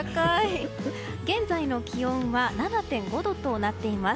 現在の気温は７．５度となっています。